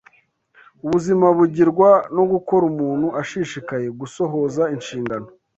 ubuzima bugirwa no gukora umuntu ashishikaye gusohoza inshingano